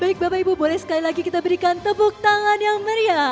baik bapak ibu boleh sekali lagi kita berikan tepuk tangan yang meriah